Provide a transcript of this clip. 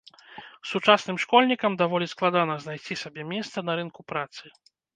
Сучасным школьнікам даволі складана знайсці сабе месца на рынку працы.